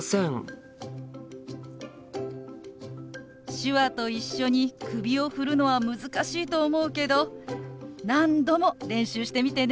手話と一緒に首を振るのは難しいと思うけど何度も練習してみてね。